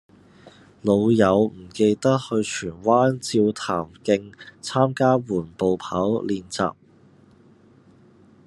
老友唔記得去荃灣照潭徑參加緩步跑練習